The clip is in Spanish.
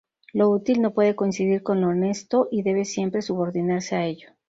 Lo útil no puede coincidir con lo honesto y debe siempre subordinarse a ello.